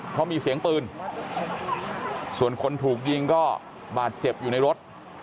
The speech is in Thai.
เพราะมีเสียงปืนส่วนคนถูกยิงก็บาดเจ็บอยู่ในรถ